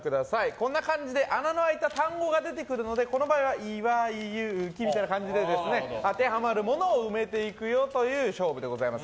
こんな感じで穴の開いた単語が出てくるのでこの場合はいわいゆうきみたいな感じで当てはまるものを埋めていくという勝負でございます。